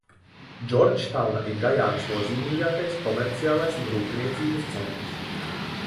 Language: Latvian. Džordžtauna ir Gajānas nozīmīgākais komerciālais un rūpniecības centrs.